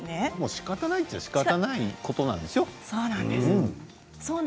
しかたないといえばしかたないことなんでしょう？